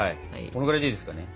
このぐらいでいいですかね？